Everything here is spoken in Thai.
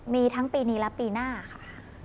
มีทั้งปีนี้และปีหน้าค่ะ